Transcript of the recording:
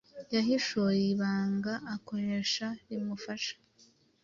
Yahishuye ibanga akoresha rimufasha